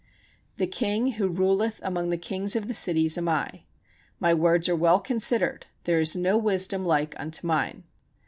The king who ruleth among the kings of the cities am I. My words are well considered; there is no wisdom like unto mine.